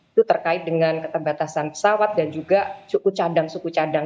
itu terkait dengan keterbatasan pesawat dan juga suku cadang suku cadang